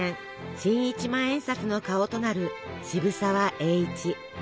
新１万円札の顔となる渋沢栄一。